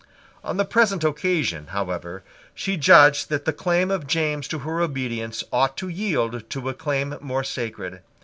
On the present occasion, however, she judged that the claim of James to her obedience ought to yield to a claim more sacred.